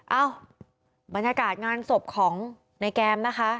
เอ้าบรรยากาศงานศพของในแกมนะคะ